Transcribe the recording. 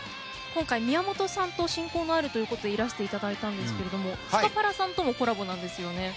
今回、宮本さんと親交のあるということでいらしていただいたんですがスカパラさんとのコラボなんですよね。